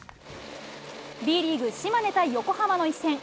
Ｂリーグ、島根対横浜の一戦。